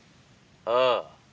「ああ」。